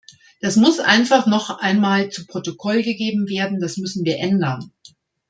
Das muss einfach noch einmal zu Protokoll gegeben werden, das müssen wir ändern.